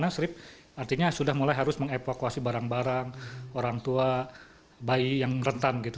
karena serib artinya sudah mulai harus mengevakuasi barang barang orang tua bayi yang rentan gitu